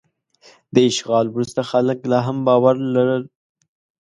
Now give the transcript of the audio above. د اشغال وروسته خلک لا هم باور لرل.